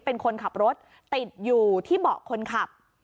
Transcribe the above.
เป็นคนขับรถติดอยู่ที่เบาะคนขับ